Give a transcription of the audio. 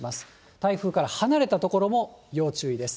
台風から離れた所も要注意です。